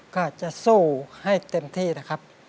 ก็จะสู้ให้เต็มที่นะครับ